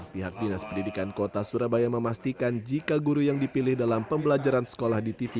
pihak dinas pendidikan kota surabaya memastikan jika guru yang dipilih dalam pembelajaran sekolah di tv